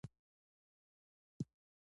جمله د ژبي اساسي واحد دئ.